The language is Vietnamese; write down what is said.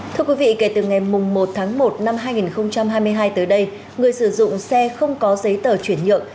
thưa quý vị kể từ ngày một tháng một năm hai nghìn hai mươi hai tới đây người sử dụng xe không có giấy tờ chuyển nhượng